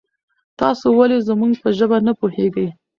تاسو ولې زمونږ په ژبه نه پوهیږي؟